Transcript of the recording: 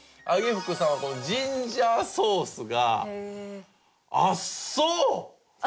福さんはこのジンジャーソースがあっそう！